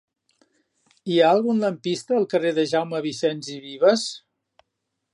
Hi ha algun lampista al carrer de Jaume Vicens i Vives?